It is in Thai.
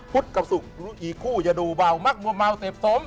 พุทธกับสุขอีกคู่จะดูเบามากมวมเมาเต็บสม